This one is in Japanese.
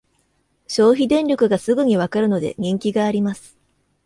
消費電力がすぐにわかるので人気があります